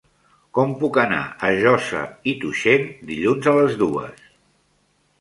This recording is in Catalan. Com puc anar a Josa i Tuixén dilluns a les dues?